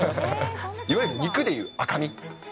いわゆる肉でいう赤身。